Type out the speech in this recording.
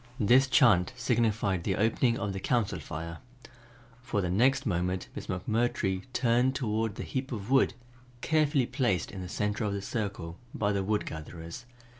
This chant signified the opening of the Council Fire. For the next moment Miss McMurtry turned toward the heap of wood carefully placed in the center of the circle, by the wood gatherers.